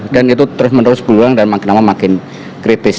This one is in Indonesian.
dan itu terus menerus berulang dan makin lama makin kritis